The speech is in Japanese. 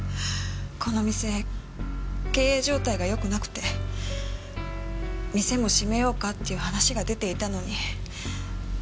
この店経営状態がよくなくて店も閉めようかっていう話が出ていたのに。